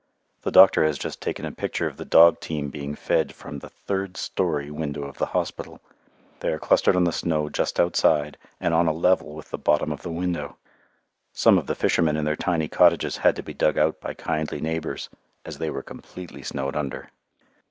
The doctor has just taken a picture of the dog team being fed from the third story window of the hospital. They are clustered on the snow just outside and on a level with the bottom of the window. Some of the fishermen in their tiny cottages had to be dug out by kindly neighbours, as they were completely snowed under!